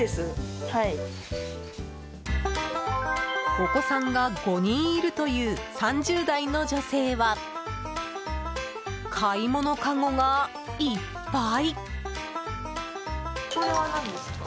お子さんが５人いるという３０代の女性は買い物かごがいっぱい。